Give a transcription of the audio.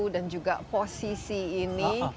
dan juga posisi ini